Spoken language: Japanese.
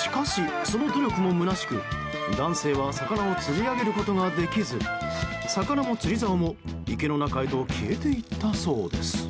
しかし、その努力もむなしく男性は魚を釣り上げることができず魚も釣りざおも、池の中へと消えていったそうです。